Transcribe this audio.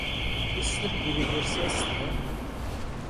Islık gibi bir sesle: